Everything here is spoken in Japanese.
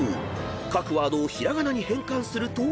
各ワードを平仮名に変換すると］